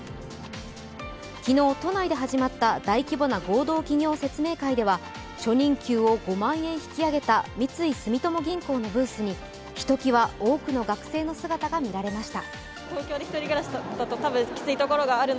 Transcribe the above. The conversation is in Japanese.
昨日、都内で始まった大規模な合同企業説明会では初任給を５万円引き上げた三井住友銀行のブースにひときわ多くの学生の姿が見られました。